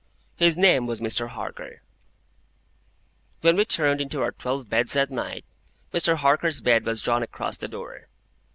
His name was Mr. Harker. When we turned into our twelve beds at night, Mr. Harker's bed was drawn across the door.